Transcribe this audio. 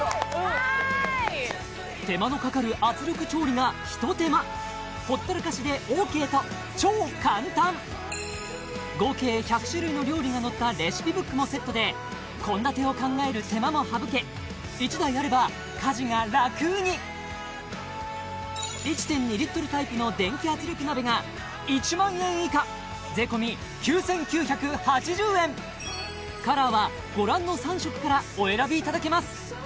はーい手間のかかる圧力調理が１手間ほったらかしでＯＫと超簡単合計１００種類の料理が載ったレシピブックもセットで献立を考える手間も省け１台あれば家事が楽に１．２リットルタイプの電気圧力鍋が１万円以下カラーはご覧の３色からお選びいただけます